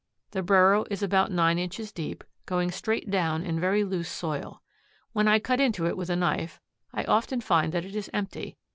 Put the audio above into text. The burrow is about nine inches deep, going straight down in very loose soil. When I cut into it with a knife, I often find that it is empty.